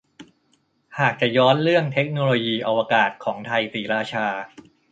หากจะย้อนเรื่องเทคโนโลยีอวกาศของไทยศรีราชา